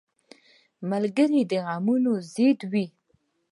ملګری د غمونو ضد وي